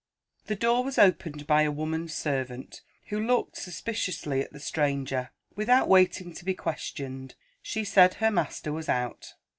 The door was opened by a woman servant, who looked suspiciously at the stranger. Without waiting to be questioned, she said her master was out.